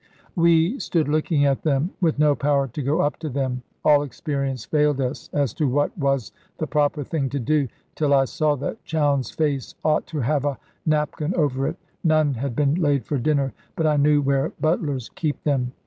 We stood looking at them, with no power to go up to them; all experience failed us as to what was the proper thing to do, till I saw that Chowne's face ought to have a napkin over it. None had been laid for dinner; but I knew where butlers keep them.